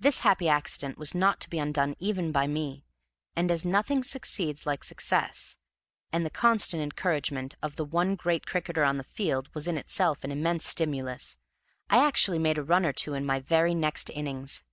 This happy accident was not to be undone even by me, and, as nothing succeeds like success, and the constant encouragement of the one great cricketer on the field was in itself an immense stimulus, I actually made a run or two in my very next innings.